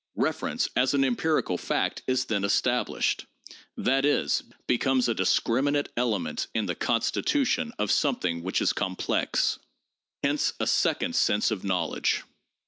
Reference as an empirical fact is then established— that is, becomes a discriminate element in the constitution of something which is complex. Hence a second sense of knowledge.